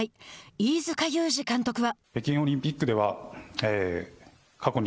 飯塚祐司監督は。